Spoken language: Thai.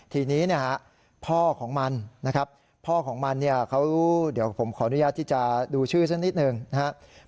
ทีนี้พ่อของมันเดี๋ยวผมขออนุญาตที่จะดูชื่อซักนิดนึงนะครับ